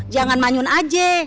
jangan manyun aja